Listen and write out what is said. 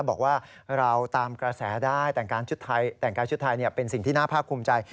บอกว่าเราตามกระแสได้แต่งกายชุดไทยเป็นสิ่งที่น่าภาคภูมิใจ